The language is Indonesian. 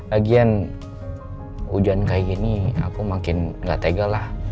lagian hujan kayak gini aku makin gak tega lah